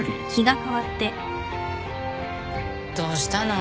どうしたの？